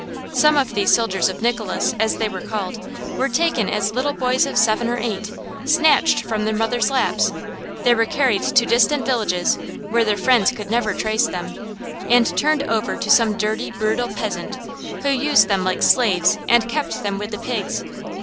Some of these soldiers of Nicholas, as they were called, were taken as little boys of seven or eight snatched from their mothers' laps. They were carried to distant villages, where their friends could never trace them, and turned over to some dirty, brutal peasant, who used them like slaves and kept them with the pigs.